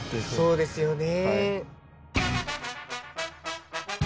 そうですよね。